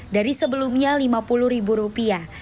dari sebelumnya lima puluh ribu rupiah